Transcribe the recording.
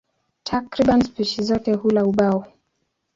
Takriban spishi zote hula ubao.